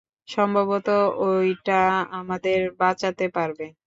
সম্ভবত ঐটা আমাদের বাঁচাতে পারবে।